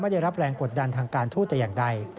ได้รับแรงกดดันทางการทูตแต่อย่างใด